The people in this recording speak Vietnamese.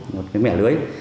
một mẻ lưới